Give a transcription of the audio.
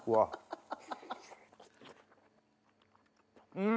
うん！